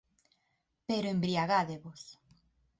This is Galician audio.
Pero embriagádevos.